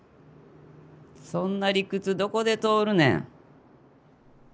そんな理屈どこで通るねん。